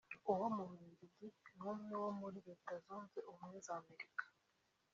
uwo mu Bubiligi n’umwe wo muri Leta Zunze Ubumwe z’Amerika